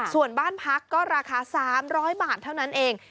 ส่วนบ้านพักก็ราคา๓๐๐บาทเท่านั้นเอง